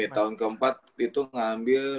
tahun keempat itu ngambil